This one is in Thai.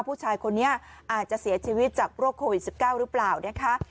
ผู้ชายคนนี้อาจจะเสียชีวิตจากโรคโควิด๑๙หรือเปล่านะคะ